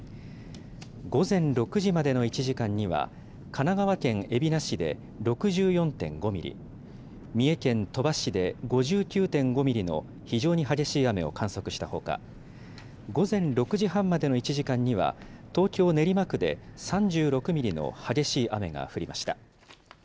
午前６時までの１時間には、神奈川県海老名市で６４．５ミリ、三重県鳥羽市で５９．５ミリの非常に激しい雨を観測したほか、午前６時半までの１時間には、東京・練馬区で３６ミリの激しい雨が降りました。